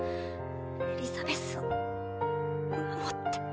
エリザベスを守って。